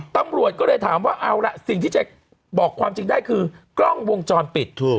ตำรวจก็เลยถามว่าเอาล่ะสิ่งที่จะบอกความจริงได้คือกล้องวงจรปิด